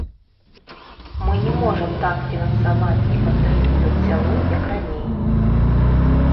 Мы не можам так фінансаваць і падтрымліваць сяло, як раней.